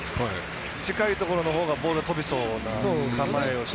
近いところのほうがボールが飛びそうな構えをしてる。